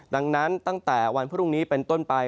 ดังนั้นตั้งแต่วันพรุ่งนี้เป็นต้นไป